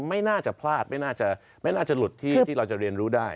ไม่น่าจะพลาดไม่น่าจะไม่น่าจะหลุดที่เราจะเรียนรู้ได้